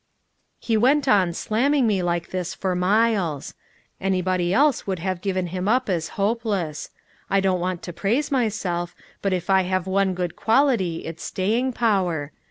He went on slamming me like this for miles. Anybody else would have given him up as hopeless. I don't want to praise myself, but if I have one good quality it's staying power.